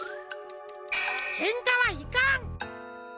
けんかはいかん。